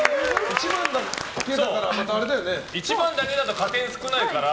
１番だけだったら加点が少ないから。